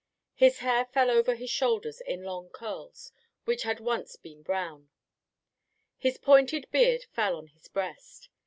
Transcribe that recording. His hair fell over his shoulders in long curls which had once been brown. His pointed beard fell on his breast.